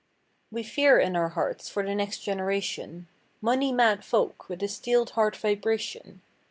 â We fear in our hearts, for the next generation. Money mad folk with the steeled heart vibration.